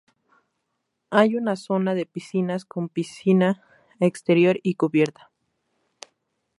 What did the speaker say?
Hay una zona de piscinas, con piscina exterior y cubierta.